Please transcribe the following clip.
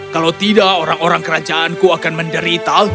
kalau tidak orang orang kerajaanku akan menderita